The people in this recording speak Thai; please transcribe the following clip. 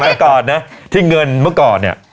แต่ก่อนนะที่เงินเมื่อก่อนเนี่ย